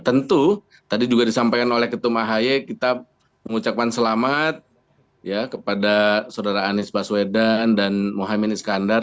tentu tadi juga disampaikan oleh ketum ahy kita mengucapkan selamat kepada saudara anies baswedan dan muhaymin iskandar